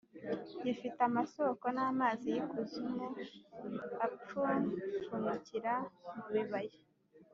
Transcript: gifite amasoko n’amazi y’ikuzimu apfupfunukira mu bibaya